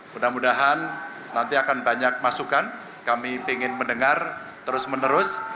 mudah mudahan nanti akan banyak masukan kami ingin mendengar terus menerus